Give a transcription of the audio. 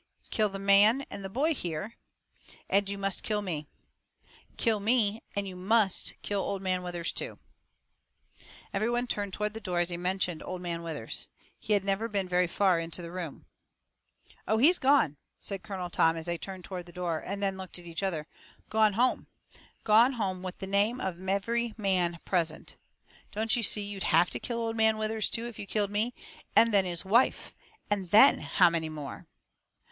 "Kill the man and the boy here, and you must kill me. Kill me, and you must kill Old Man Withers, too." Every one turned toward the door as he mentioned Old Man Withers. He had never been very far into the room. "Oh, he's gone," said Colonel Tom, as they turned toward the door, and then looked at each other. "Gone home. Gone home with the name of every man present. Don't you see you'd have to kill Old Man Withers too, if you killed me? And then, HIS WIFE! And then how many more?